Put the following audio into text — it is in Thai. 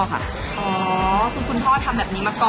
คือคุณพ่อทำแบบนี้มาก่อน